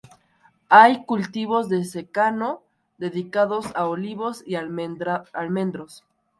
Hay cultivos de secano dedicados a olivos y almendros.